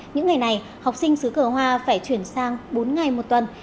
những ngày này học sinh xứ cờ hoa phải chuyển sang bốn ngày một tuần